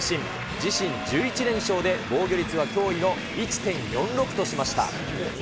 自身１１連勝で防御率は驚異の１．４６としました。